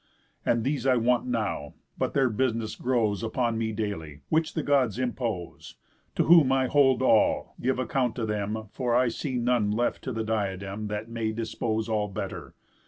And these I want now; but their business grows Upon me daily, which the Gods impose, To whom I hold all, give account to them, For I see none left to the diadem That may dispose all better.